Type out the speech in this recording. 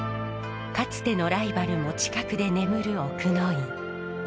かつてのライバルも近くで眠る奥之院。